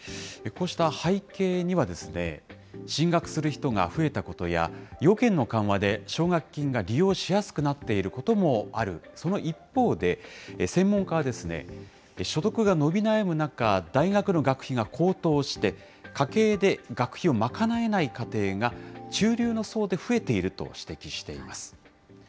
こうした背景には、進学する人が増えたことや、要件の緩和で、奨学金が利用しやすくなっていることもあるその一方で、専門家は、所得が伸び悩む中、大学の学費が高騰して、家計で学費を賄えない家庭が中流の層で増えていると指摘しています。